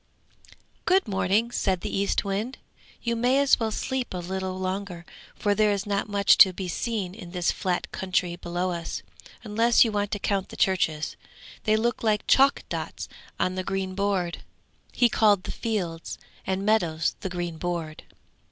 'Good morning,' said the Eastwind. 'You may as well sleep a little longer, for there is not much to be seen in this flat country below us, unless you want to count the churches. They look like chalk dots on the green board.' He called the fields and meadows 'the green board.'